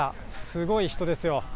すごい人ですよ。